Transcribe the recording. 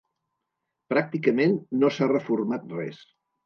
Pràcticament no s’ha reformat res.